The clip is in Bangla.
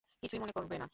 কিছুই মনে করবে না।